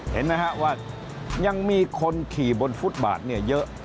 เห็นไหมครับว่ายังมีคนขี่บนฟุตบาทเนี่ยเยอะ